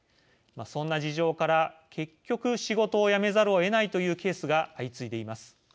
そんな事情から結局、仕事を辞めざるをえないというケースが相次いでいます。